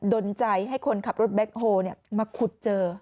ดนใจให้คนขับรถแบ็คโฮลมาขุดเจอ